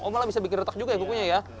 oh malah bisa bikin retak juga ya bukunya ya